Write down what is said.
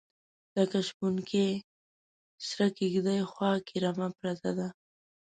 لکه شپونکي سره کیږدۍ خواکې رمه پرته ده